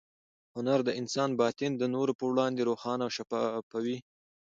هنر د انسان باطن د نورو په وړاندې روښانه او شفافوي.